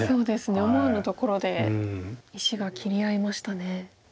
思わぬところで石が切り合いましたね。